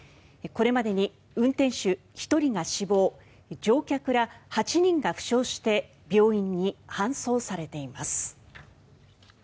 これまでに運転手１人が死亡乗客ら８人が負傷して病院に搬送されています。